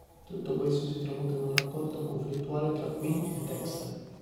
Tutto questo si tramuta in un rapporto conflittuale tra Quinn e Dexter.